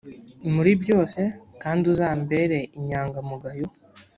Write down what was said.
muri byose kandi uzambere inyangamugayo